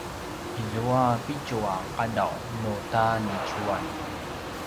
izua pitju a qadaw nu ta niciuan